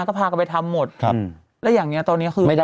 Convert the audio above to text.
ก็พากันไปทำหมดครับแล้วอย่างเนี้ยตอนเนี้ยคือไม่ได้